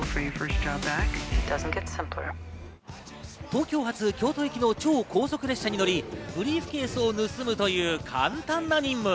東京発・京都行きの超高速列車に乗り、ブリーフケースを盗むという簡単な任務。